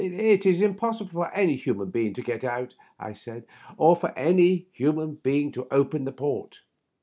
" It is impossible for any human being to get in," I said, "or for any human being to open the port."